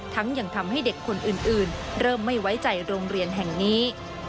ยังทำให้เด็กคนอื่นเริ่มไม่ไว้ใจโรงเรียนแห่งนี้